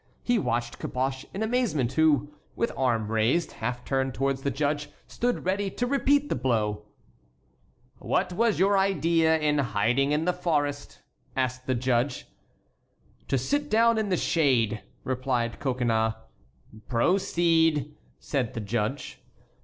He watched Caboche in amazement, who, with arm raised, half turned towards the judge, stood ready to repeat the blow. "What was your idea in hiding in the forest?" asked the judge. "To sit down in the shade," replied Coconnas. "Proceed," said the judge.